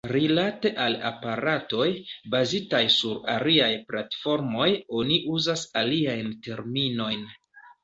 Rilate al aparatoj, bazitaj sur aliaj platformoj, oni uzas aliajn terminojn.